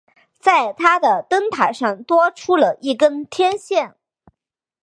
在它的炮塔上多出了一根天线。